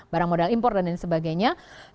barang modal impor dan lain sebagainya